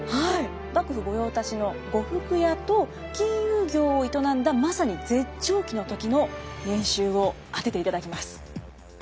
幕府御用達の呉服屋と金融業を営んだまさに絶頂期の時の年収を当てていただきます。